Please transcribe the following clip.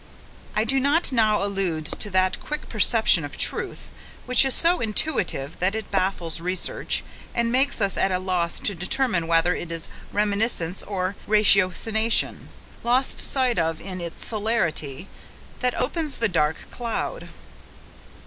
I do not now allude to that quick perception of truth, which is so intuitive that it baffles research, and makes us at a loss to determine whether it is reminiscence or ratiocination, lost sight of in its celerity, that opens the dark cloud.